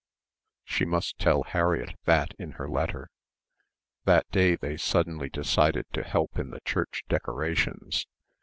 ... she must tell Harriett that in her letter ... that day they suddenly decided to help in the church decorations